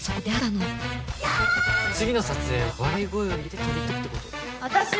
次の撮影は笑い声を入れて撮りたいってこと。